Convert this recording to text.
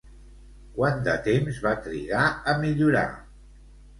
Quant de temps va trigar a millorar?